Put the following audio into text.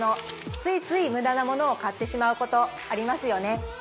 ついつい無駄なものを買ってしまうことありますよね